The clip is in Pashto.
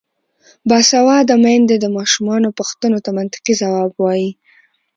باسواده میندې د ماشومانو پوښتنو ته منطقي ځواب وايي.